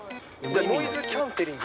ノイズキャンセリング